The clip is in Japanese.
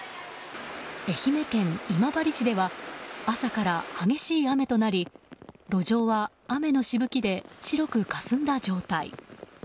愛媛県今治市では朝から激しい雨となり路上は雨のしぶきで白くかすんだ状態。